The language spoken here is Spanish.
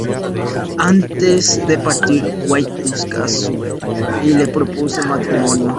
Antes de partir Waite busca a Sue y le propone matrimonio.